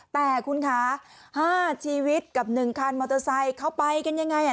แต่คุณคะ๕ชีวิตกับ๑คันมอเตอร์ไซค์เขาไปกันยังไง